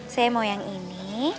saya mau yang ini